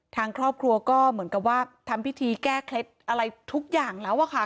ทางครอบครัวก็เหมือนกับว่าทำพิธีแก้เคล็ดอะไรทุกอย่างแล้วอะค่ะ